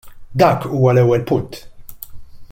Dak huwa l-ewwel punt.